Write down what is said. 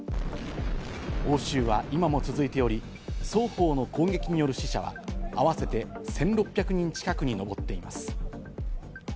応酬は今も続いており、双方の攻撃による死者は合わせて１６００人近くに上っています。